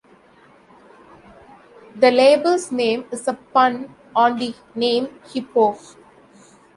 The label's name is a pun on the name 'hippo'.